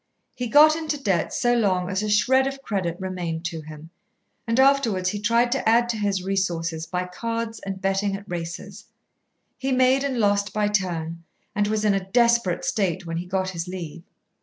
He got into debt so long as a shred of credit remained to him, and afterwards he tried to add to his resources by cards and betting at races. He made and lost by turn, and was in a desperate state when he got his leave.